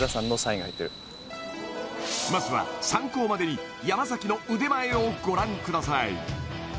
まずは参考までに山崎の腕前をご覧ください